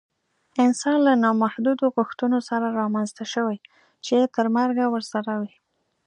انسان له نامحدودو غوښتنو سره رامنځته شوی چې تر مرګه ورسره وي